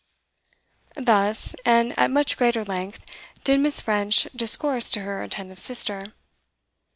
Thus, and at much greater length, did Miss. French discourse to her attentive sister.